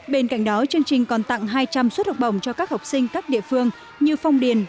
bên cạnh đó chương trình còn tặng hai trăm linh suất học bổng cho các học sinh các địa phương như phong điền